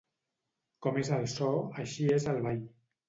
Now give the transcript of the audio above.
Com és el so, així és el ball.